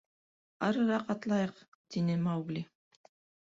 — Арыраҡ атлайыҡ, — тине Маугли.